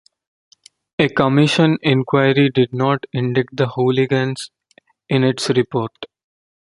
A commission inquiry did not indict the hooligans in its report.